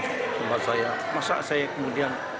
di tempat saya masa saya kemudian